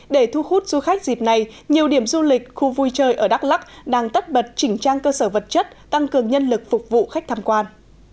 để thu hút du khách dịp này nhiều điểm du lịch khu vui chơi ở đắk lắc đang tất bật chỉnh trang cơ sở vật chất tăng cường nhân lực phục vụ khách tham quan